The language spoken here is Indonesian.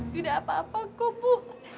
tidak apa apa kok bu